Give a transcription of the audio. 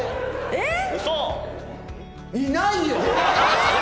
えっ！？